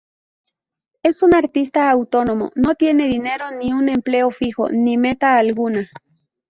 Es un artista autónomo, no tiene dinero, ni un empleo fijo, ni meta alguna.